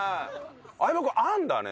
相葉君あるんだね。